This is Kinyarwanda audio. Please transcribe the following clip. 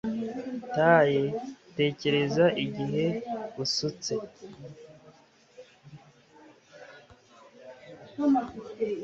tae tekereza igihe usutse